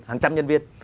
hàng trăm nhân viên